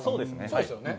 そうですよね。